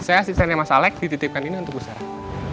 saya sisanya mas alek dititipkan ini untuk bu sarah